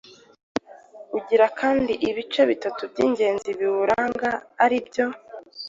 ugira kandi ibice bitatu by’ingenzi biwuranga ari byo: